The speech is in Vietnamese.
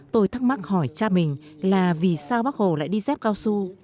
tôi thắc mắc hỏi cha mình là vì sao bác hồ lại đi dép cao su